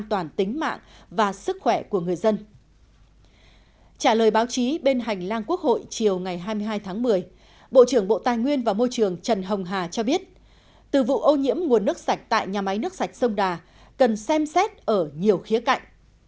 trả lời báo chí bên hành lang quốc hội chiều ngày hai mươi hai tháng một mươi bộ trưởng bộ tài nguyên và môi trường trần hồng hà cho biết từ vụ ô nhiễm nguồn nước sạch tại nhà máy nước sạch sông đà cần xem xét ở nhiều khía cạnh